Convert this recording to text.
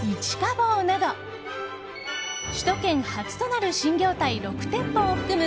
房など首都圏初となる新業態６店舗を含む